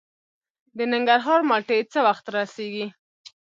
د ننګرهار مالټې څه وخت رسیږي؟